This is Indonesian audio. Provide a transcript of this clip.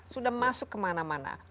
sudah masuk kemana mana